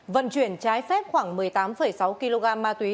vận chuyển trái phép khoảng một mươi tám sáu kg ma túy